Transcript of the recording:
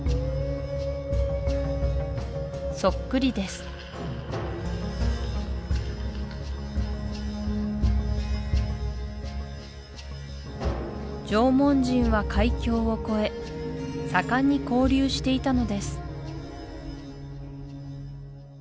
そっくりです縄文人は海峡を越え盛んに交流していたのです